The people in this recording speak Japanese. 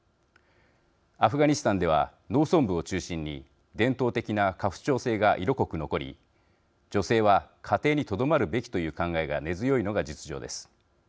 アフガニスタンでは農村部を中心に伝統的な家父長制が色濃く残り女性は家庭にとどまるべきという考えが根強いのが実情です。